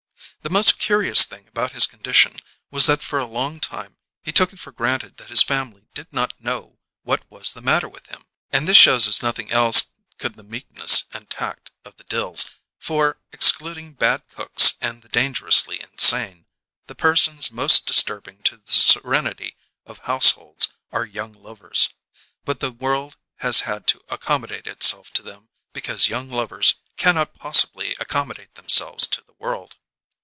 The most curious thing about his condition was that for a long time he took it for granted that his family did not know what was the matter with him; and this shows as nothing else could the meekness and tact of the Dills; for, excluding bad cooks and the dangerously insane, the persons most disturbing to the serenity of households are young lovers. But the world has had to accommodate itself to them because young lovers cannot possibly accommodate themselves to the world.